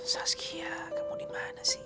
saskia kamu dimana sih